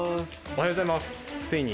おはようございます。